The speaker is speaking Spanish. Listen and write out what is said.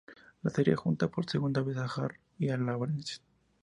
La serie junta por segunda vez a Hart y a Lawrence.